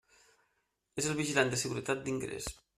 És el vigilant de seguretat d'ingrés.